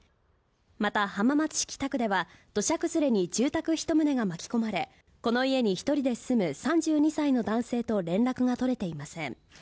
また浜松市北区では、土砂崩れに住宅１棟が巻き込まれ、この家に１人で住む３２歳の男性と連絡が取れていません。